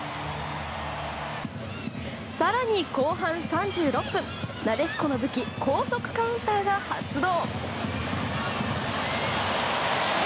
更に後半３６分、なでしこの武器高速カウンターが発動。